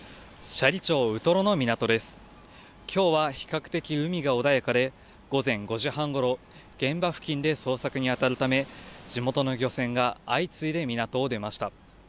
きょうは比較的、海が穏やかで、午前５時半ごろ、現場付近で捜索に当たるため、地元の漁船が相次いで港を出ました。